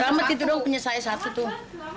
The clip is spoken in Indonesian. selamat itu dong punya saya satu tuh